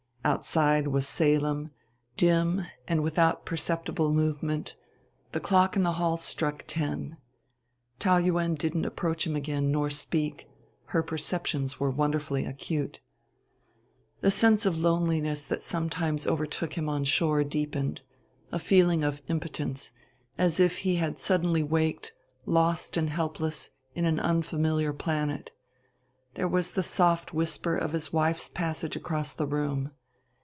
Outside was Salem, dim and without perceptible movement; the clock in the hall struck ten. Taou Yuen didn't approach him again nor speak; her perceptions were wonderfully acute. The sense of loneliness that sometimes overtook him on shore deepened, a feeling of impotence, as if he had suddenly waked, lost and helpless, in an unfamiliar planet. There was the soft whisper of his wife's passage across the room.